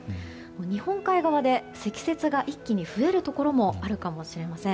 日本海側で積雪が一気に増えるところもあるかもしれません。